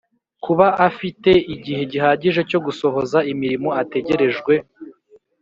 kuba afite igihe gihagije cyo gusohoza imirimo ategerejwe